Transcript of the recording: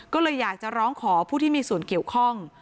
ก็เลยอยากจะร้องขอผู้ที่มีส่วนเกี่ยวข้อง